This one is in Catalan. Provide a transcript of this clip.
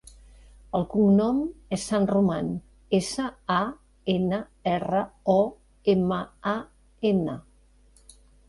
El cognom és Sanroman: essa, a, ena, erra, o, ema, a, ena.